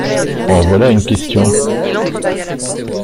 En voilà une question !